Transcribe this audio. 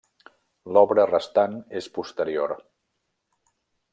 L'obra restant és posterior.